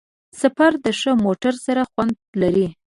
سفر د ښه موټر سره خوند لري.